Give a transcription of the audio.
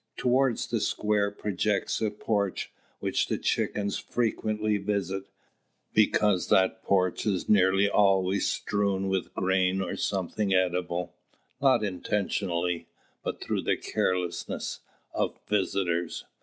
Towards the square projects a porch, which the chickens frequently visit, because that porch is nearly always strewn with grain or something edible, not intentionally, but through the carelessness of visitors.